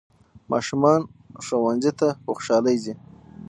ماشومان ښوونځي ته په خوشحالۍ ځي